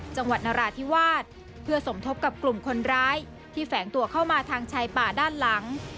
จังหวัดนราธิวาสเพื่อสมทบกับกลุ่มคนร้ายที่แฝงตัวเข้ามาทางชายป่าด้านหลัง